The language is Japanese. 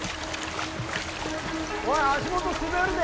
おい足元滑るで。